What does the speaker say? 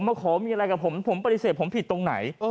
ขอมีอะไรกับผมผมปฏิเสธผมผิดตรงไหน